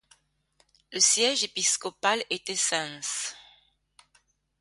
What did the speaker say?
Le siège épiscopal était Sens.